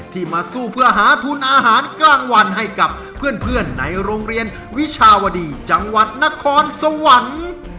มาสู้เพื่อหาทุนอาหารกลางวันให้กับเพื่อนในโรงเรียนวิชาวดีจังหวัดนครสวรรค์